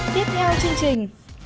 tiếp theo chương trình